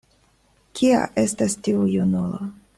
Kia estas tiu junulo?